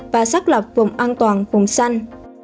và xác lập vùng an toàn vùng xanh